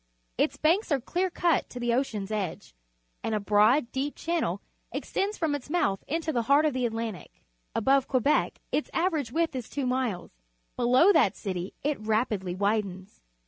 Its banks are clear cut to the ocean's edge, and a broad, deep channel extends from its mouth into the heart of the Atlantic. Above Quebec its average width is two miles; below that city it rapidly widens.